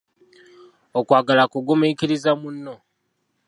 Okwagala kugumiikiriza munno.